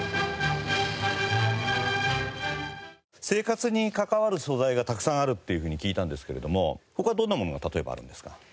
生活に関わる素材がたくさんあるっていうふうに聞いたんですけれども他はどんなものが例えばあるんですか？